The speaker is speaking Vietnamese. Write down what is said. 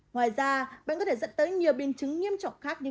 ngoài ra bệnh có thể dẫn tới nhiều biến chứng nghiêm trọng khác như